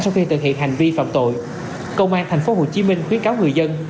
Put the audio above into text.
sau khi thực hiện hành vi phạm tội công an tp hcm khuyến cáo người dân